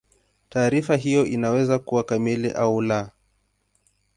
Taarifa hiyo inaweza kuwa kamili au la.